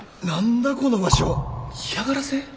何だこの場所嫌がらせ？